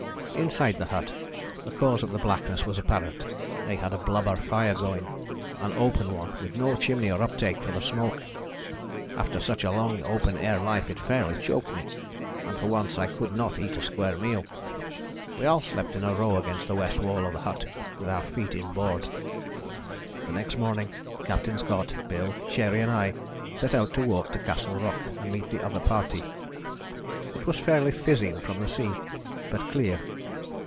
Inside the hut, the cause of the blackness was apparent, they had a blubber fire going, an open one, with no chimney or uptake for the smoke. After such a long open air life it fairly choked me, and for once I could not eat a square meal. We all slept in a row against the west wall of the hut with our feet inboard. "The next morning Captain Scott, Bill, Cherry and I set out to walk to Castle Rock and meet the other party. It was fairly fizzing from the sea, but clear.